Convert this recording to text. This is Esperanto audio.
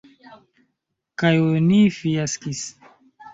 Kaj oni fiaskis.